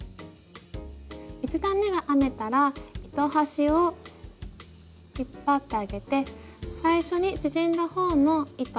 １段めが編めたら糸端を引っ張ってあげて最初に縮んだほうの糸